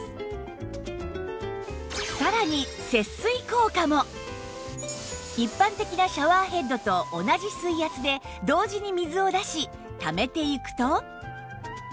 さらに一般的なシャワーヘッドと同じ水圧で同時に水を出しためていくと